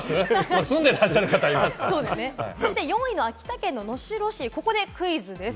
４位の秋田県の能代市、ここでクイズです。